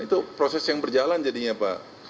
itu proses yang berjalan jadinya pak